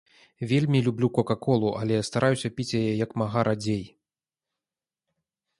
Вельмі люблю кока-колу, але стараюся піць яе як мага радзей.